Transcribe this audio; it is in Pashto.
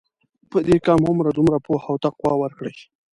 په دې کم عمر دومره پوهه او تقوی ورکړې.